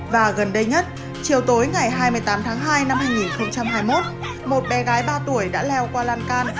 và gần đây nhất chiều tối ngày hai mươi tám tháng hai năm hai nghìn hai mươi một một bé gái ba tuổi đã leo qua lan can